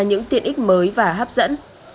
những tiện ích mới và hấp dẫn